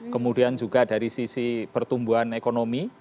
kemudian juga dari sisi pertumbuhan ekonomi